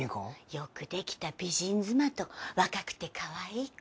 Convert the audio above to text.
よくできた美人妻と若くてかわいい子。